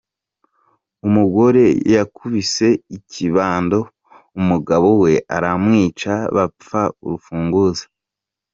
Umugore yakubise ikibando umugabo we aramwica bapfa urufunguzo.